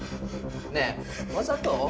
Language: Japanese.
ねえわざと？